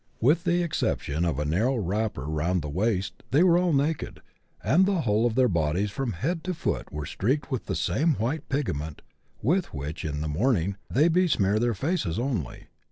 With the exception of a narrow wrapper round the waist they were all naked, and the whole of their bodies from head to foot were streaked with the same white pigment with which, when in mourning, they besmear their faces only.